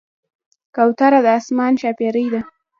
کوتره د آسمان ښاپېرۍ ده.